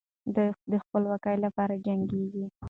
دوی د خپلواکۍ لپاره جنګېږي.